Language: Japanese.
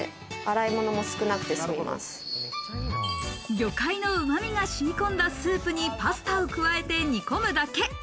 魚介の旨味が染み込んだスープにパスタを加えて煮込むだけ。